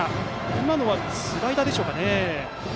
今のはスライダーでしょうか。